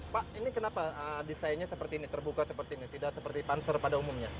pak ini kenapa desainnya terbuka seperti ini tidak seperti tanser pada umumnya